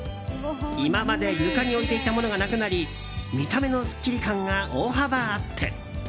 今まで床に置いていたものがなくなり見た目のすっきり感が大幅アップ。